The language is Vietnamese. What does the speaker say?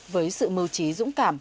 với sự mưu trí dũng cảm